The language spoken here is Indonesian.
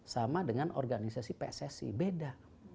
sama dengan organisasi pssi beda